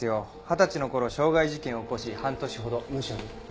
二十歳の頃傷害事件を起こし半年ほどムショに。